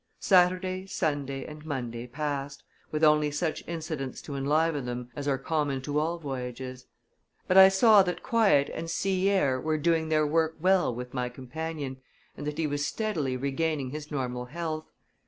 Saturday, Sunday, and Monday passed, with only such incidents to enliven them as are common to all voyages. But I saw that quiet and sea air were doing their work well with my companion, and that he was steadily regaining his normal health.